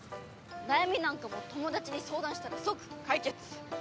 悩みなんかも友達に相談したら即解決！